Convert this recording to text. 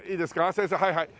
先生はいはい。